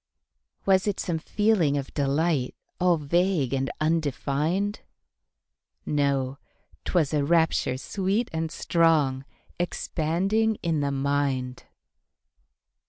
Was it some feeling of delight, All vague and undefined? No; 'twas a rapture sweet and strong, Expanding in the mind.